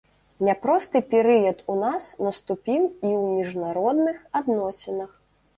Няпросты перыяд у нас наступіў і ў міжнародных адносінах.